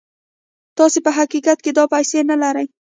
تاسې په حقيقت کې دا پيسې نه لرئ.